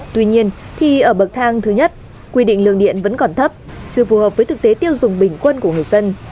tuy nhiên thì ở bậc thang thứ nhất quy định lượng điện vẫn còn thấp sự phù hợp với thực tế tiêu dùng bình quân của người dân